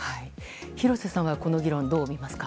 廣瀬さんはこの議論、どう見ますか？